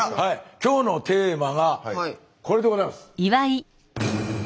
今日のテーマがこれでございます。